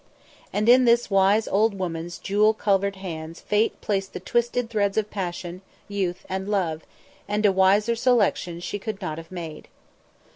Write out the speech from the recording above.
And in this wise old woman's jewel covered hands Fate placed the twisted threads of passion, youth and love, and a wiser selection she could not have made.